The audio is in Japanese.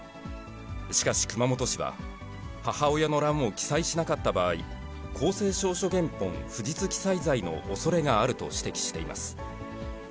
しかし、熊本市は、母親の欄を記載しなかった場合、公正証書原本不実記載罪のおそれがあると指摘しています。